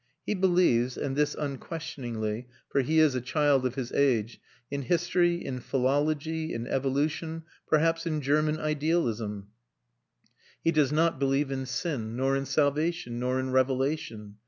He believes and this unquestioningly, for he is a child of his age in history, in philology, in evolution, perhaps in German idealism; he does not believe in sin, nor in salvation, nor in revelation.